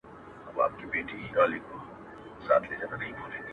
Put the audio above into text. • تمه نه وه د پاچا له عدالته,